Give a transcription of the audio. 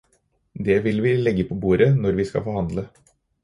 Det vil vi legge på bordet når vi skal forhandle.